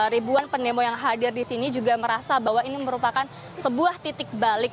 ribuan pendemo yang hadir di sini juga merasa bahwa ini merupakan sebuah titik balik